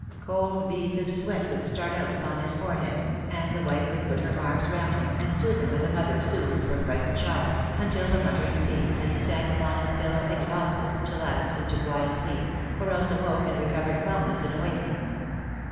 Cold beads of sweat would start out upon his forehead, and the wife would put her arms round him and soothe him as a mother soothes her fright ened child, until the muttering ceased and he sank upon his pillow exhausted, to lapse into quiet sleep, or else awoke and recovered calmness in awakening.